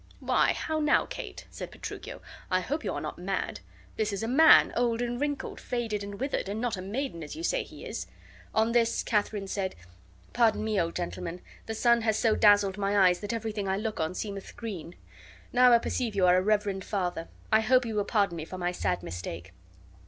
"Why, how now, Kate," said Petruchio. "I hope you are not mad. This is a man, old and wrinkled, faded and withered, and not a maiden, as you say he is." On this Katharine said, "Pardon me, old gentleman; the sun has so dazzled my eyes that everything I look on seemeth green. Now I perceive you are a reverend father. I hope you will pardon me for my sad mistake."